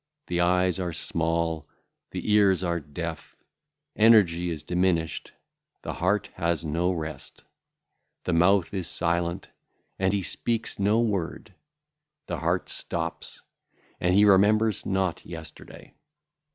The eyes are small; the ears are deaf. Energy is diminished, the heart hath no rest. The mouth is silent, and he speaketh no word; the heart stoppeth, and he remembereth not yesterday.